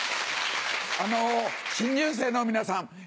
あの新入生の皆さん